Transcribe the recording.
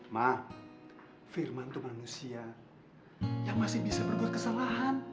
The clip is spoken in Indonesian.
ma firman tuh manusia yang masih bisa berbuat kesalahan